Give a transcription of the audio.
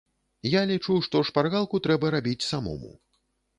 Я лічу, што шпаргалку трэба рабіць самому.